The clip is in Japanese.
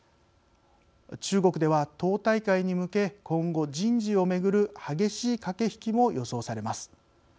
中国では党大会に向け、今後人事を巡る激しい駆け引きも予想されます。